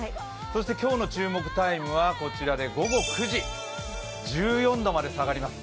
そして今日の注目タイムはこちら、午後９時、１４度まで下がります。